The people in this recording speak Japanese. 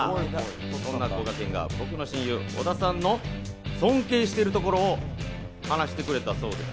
そんなこがけんが僕の親友、小田さんの尊敬しているところを話してくれたそうです。